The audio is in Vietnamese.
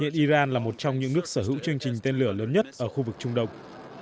hiện iran là một trong những nước sở hữu chương trình tên lửa lớn nhất ở khu vực trung đông